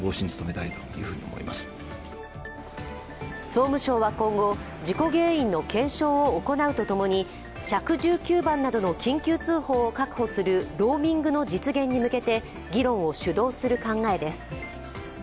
総務省は今後、事故原因の検証を行うとともに１１９番などの緊急通報を確保するローミングの実現に向けて議論を主導する考えです。